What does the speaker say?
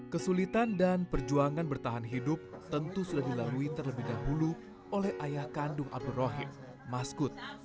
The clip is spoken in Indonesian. kesulitan dan perjuangan bertahan hidup tentu sudah dilalui terlebih dahulu oleh ayah kandung abdurrahim maskud